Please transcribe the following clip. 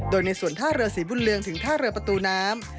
โดยในส่วนท่าเรือศรีบุญเรืองถึงท่าเรือประตูน้ำ